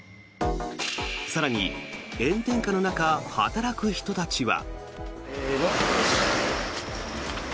更に炎天下の中、働く人たちは。